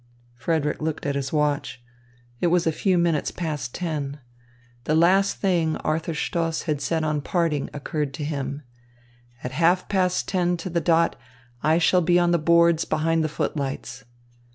Frederick looked at his watch. It was a few minutes past ten. The last thing Arthur Stoss had said on parting occurred to him, "At half past ten to the dot, I shall be on the boards behind the footlights."